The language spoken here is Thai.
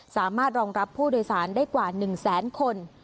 สามารถรองรับผู้โดยสารได้กว่า๑แสนคน